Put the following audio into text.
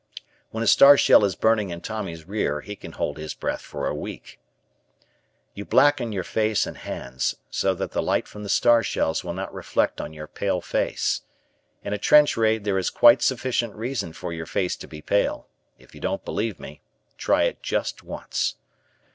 When a star shell is burning in Tommy's rear he can hold his breath for a week. You blacken your face and hands so that the light from the star shells will not reflect on your pale face. In a trench raid there is quite sufficient reason for your face to be pale. If you don't believe me, try it just once.